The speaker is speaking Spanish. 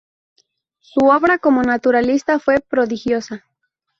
Su obra como naturalista fue prodigiosa.